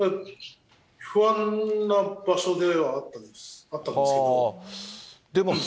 不安な場所ではあったんですけれども。